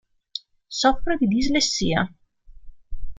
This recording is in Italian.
Soffre di dislessia.